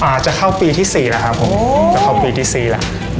อาจจะเข้าปีที่๔แล้วครับผมจะเข้าปีที่๔แล้ว